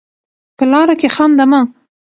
په لاره کې خانده مه.